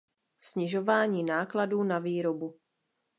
Snižování nákladů na výrobu.